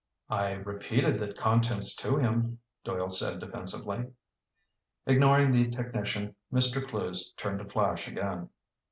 "I repeated the contents to him," Doyle said defensively. Ignoring the technician, Mr. Clewes turned to Flash again.